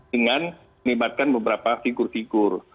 dengan melibatkan beberapa figur figur